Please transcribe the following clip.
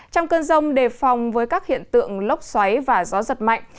trong cơn rông đề phòng với các hiện tượng lốc xoáy và gió giật mạnh